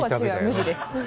無地です。